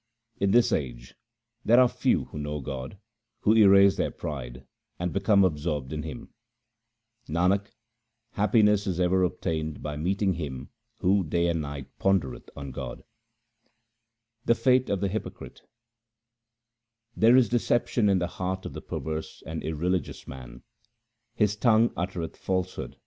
In this age there are few who know God, who erase their pride and become absorbed in Him. Nanak, happiness is ever obtained by meeting him who night and day pondereth on God. The fate of the hypocrite :— There is deception in the heart of the perverse and irre ligious man ; his tongue uttereth falsehood. 1 A man is not a Brahman merely by paternity.